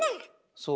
そう。